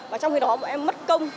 và trong khi đó bọn em mất công